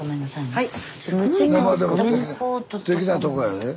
はい。